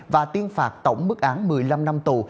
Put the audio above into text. và tiên phạt tổng bức án một mươi năm năm tù